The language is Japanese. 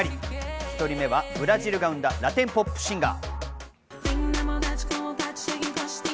１人目はブラジルが生んだ、ラテンポップシンガー。